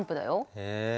へえ。